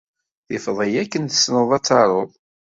Tifeḍ-iyi akken tessneḍ ad taruḍ.